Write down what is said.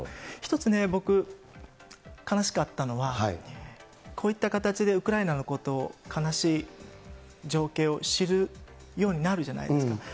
一つね、僕、悲しかったのは、こういった形でウクライナのことを、悲しい情景を知るようになるじゃないですか。